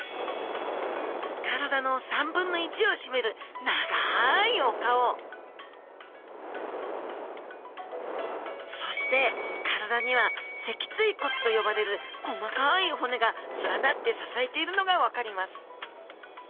体の３分の１を占める長いお顔そして体には脊椎骨と呼ばれる細かい骨が連なって支えているのが分かります